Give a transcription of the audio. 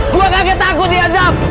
gue kaget takut di azab